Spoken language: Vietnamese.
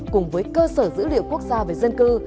cùng với cơ sở dữ liệu quốc gia về dân cư